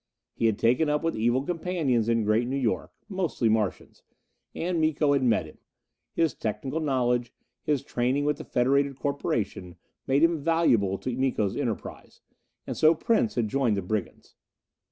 He had taken up with evil companions in Great New York. Mostly Martians. And Miko had met him. His technical knowledge, his training with the Federated Corporation, made him valuable to Miko's enterprise. And so Prince had joined the brigands.